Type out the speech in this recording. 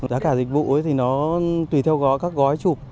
giá cả dịch vụ thì nó tùy theo gói các gói chụp